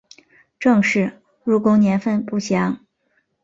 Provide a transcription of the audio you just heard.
郑氏入宫年份不详。